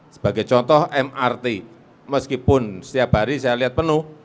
sebagai contoh mrt meskipun setiap hari saya lihat penuh